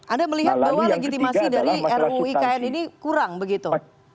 anda melihat bahwa legitimasi dari ruikn ini kurang begitu